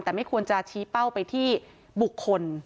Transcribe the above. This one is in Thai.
แต่ไม่ควรจะชี้เป้าไปที่บุคคล